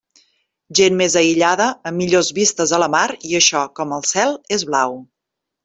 Gent més aïllada, amb millors vistes a la mar, i això, com el cel, és blau.